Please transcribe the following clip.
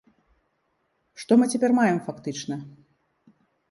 Што мы цяпер маем фактычна?